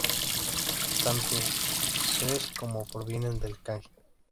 Tanto ろ como ロ provienen del kanji 呂.